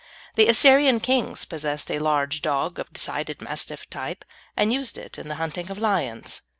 The Assyrian kings possessed a large dog of decided Mastiff type, and used it in the hunting of lions.